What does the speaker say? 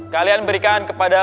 kalian berikan kepada